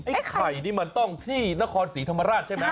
ไข่นี่มันต้องที่นครศรีธรรมราชใช่ไหม